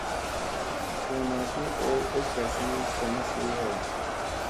Suuna ki ooy ek tasi tan suy hay.